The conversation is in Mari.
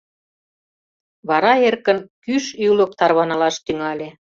Вара эркын кӱш-ӱлык тарванылаш тӱҥале.